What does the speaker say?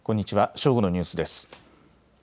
正午のニュースです。